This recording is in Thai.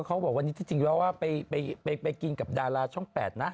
เขาบอกวันนี้ที่จริงแล้วว่าไปกินกับดาราช่อง๘นะ